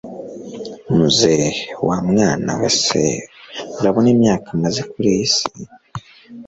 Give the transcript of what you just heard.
muzehe wamwana we se, urabona imyaka maze kuriyi si